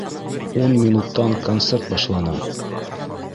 Ун минуттан концерт башлана